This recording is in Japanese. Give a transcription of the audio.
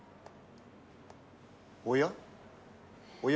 おや？